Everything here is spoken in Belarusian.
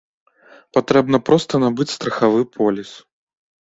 Патрэбна проста набыць страхавы поліс.